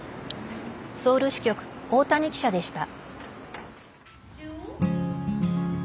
ソウル支局大谷記者でした。